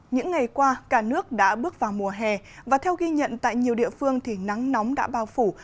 những ngày qua cả nước đã bước vào mùa hè và theo ghi nhận tại nhiều địa phương thì nắng nóng đã bao phủ